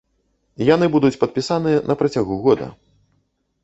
Яны будуць падпісаныя на працягу года.